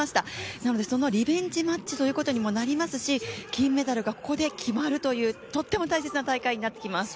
なのでそのリベンジマッチということにもなりますし金メダルがここで決まるという、とても大切な戦いになってきます。